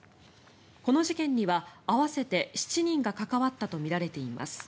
この事件には合わせて７人が関わったとみられています。